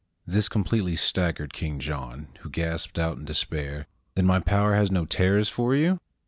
This completely staggered King John, who gasped out in despair, "Then my power has no terrors for you?"